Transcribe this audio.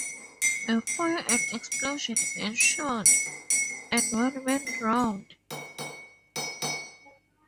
A fire and explosion ensued, and one man drowned.